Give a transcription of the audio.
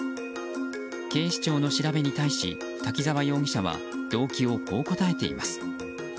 警視庁の調べに対し滝沢容疑者は動機をこう答えています。